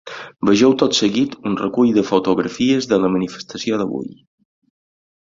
Vegeu tot seguit un recull de fotografies de la manifestació d’avui.